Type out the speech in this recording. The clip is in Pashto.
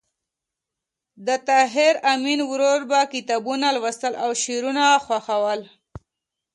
د طاهر آمین ورور به کتابونه لوستل او شعرونه خوښول